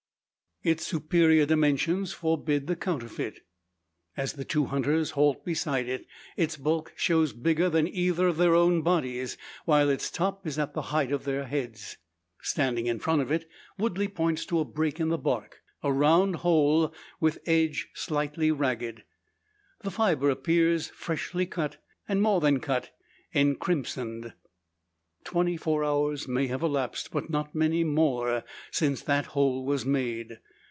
Its superior dimensions forbid the counterfeit. As the two hunters halt beside it, its bulk shows bigger than either of their own bodies, while its top is at the height of their heads. Standing in front of it, Woodley points to a break in the bark a round hole, with edge slightly ragged. The fibre appears freshly cut, and more than cut encrimsoned! Twenty four hours may have elapsed, but not many more, since that hole was made.